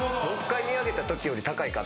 ６階見上げたときより高いか。